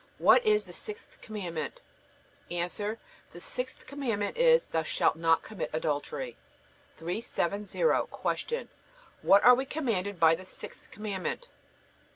What is the sixth Commandment? A. The sixth Commandment is: Thou shalt not commit adultery. 370. Q. What are we commanded by the sixth Commandment?